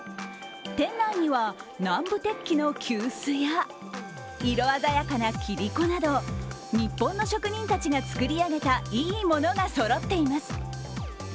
店内には、南部鉄器の急須や色鮮やかな切り子など日本の職人たちが作り上げた、いいものがそろっています。